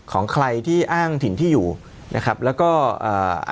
ของใครที่อ้างถิ่นที่อยู่นะครับแล้วก็อ่า